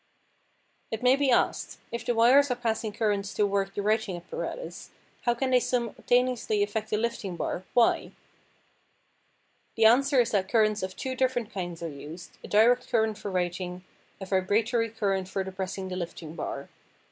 It may be asked: If the wires are passing currents to work the writing apparatus, how can they simultaneously affect the lifting bar, Y? The answer is that currents of two different kinds are used, a direct current for writing, a vibratory current for depressing the lifting bar.